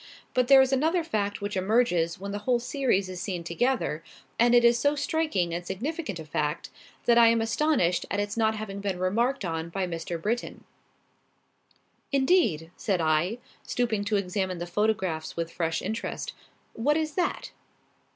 But there is another fact which emerges when the whole series is seen together, and it is so striking and significant a fact, that I am astonished at its not having been remarked on by Mr. Britton." "Indeed!" said I, stooping to examine the photographs with fresh interest; "what is that?"